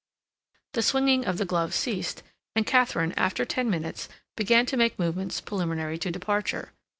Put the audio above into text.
The swinging of the gloves ceased, and Katharine, after ten minutes, began to make movements preliminary to departure.